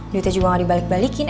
duitnya juga gak dibalik balikin